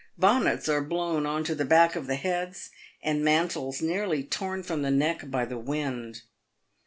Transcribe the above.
Bonnets are blown on to the back of the heads, and mantles nearly torn from the neck by the wind.